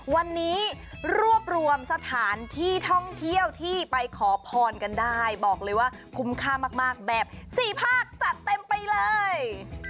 วันนี้รวบรวมสถานที่ท่องเที่ยวที่ไปขอพรกันได้บอกเลยว่าคุ้มค่ามากแบบ๔ภาคจัดเต็มไปเลย